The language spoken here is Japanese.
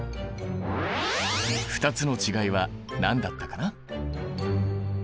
２つの違いは何だったかな？